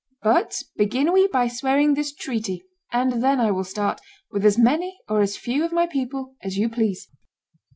But begin we by swearing this treaty; and then I will start, with as many or as few of my people as you please."